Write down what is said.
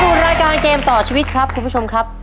รายการเกมต่อชีวิตครับคุณผู้ชมครับ